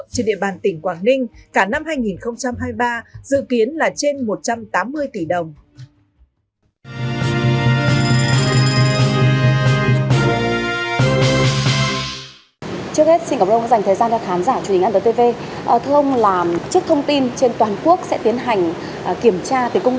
trên địa bàn tỉnh quảng ninh cả năm hai nghìn hai mươi ba dự kiến là trên một trăm tám mươi tỷ đồng